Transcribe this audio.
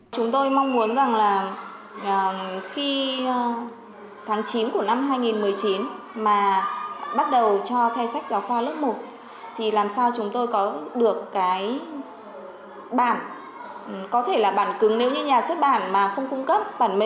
chúng tôi mong muốn rằng là khi tháng chín của năm hai nghìn một mươi chín mà bắt đầu cho thay sách giáo khoa lớp một thì làm sao chúng tôi có được cái bản có thể là bản cứng nếu như nhà xuất bản mà không cung cấp bản